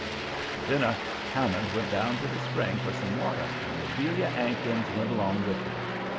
"After dinner Hammond went down to the spring after some water and Lobelia 'Ankins went along with him.